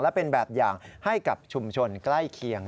และเป็นแบบอย่างให้กับชุมชนใกล้เคียง